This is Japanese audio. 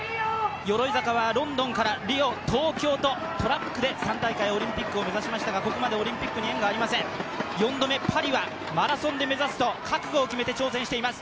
鎧坂はロンドンからリオ、東京とトラックで３大会オリンピックを目指しましたが、ここまでオリンピックに縁がありません４度目、パリはマラソンで目指すと覚悟を決めて挑戦しています。